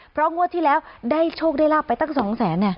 เพราะงวดที่แล้วได้โชคได้ลาบไปตั้ง๒๐๐๐๐๐เนี่ย